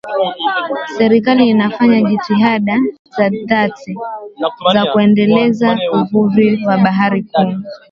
Serikali inafanya jitihada za dhati za kuendeleza uvuvi wa bahari kuu